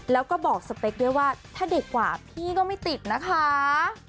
แล้วก็บอกสเปคด้วยว่าถ้าเด็กกว่าพี่ก็ไม่ติดนะคะ